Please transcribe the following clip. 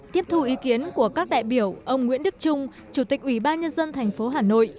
tiếp thu ý kiến của các đại biểu ông nguyễn đức trung chủ tịch ủy ban nhân dân tp hà nội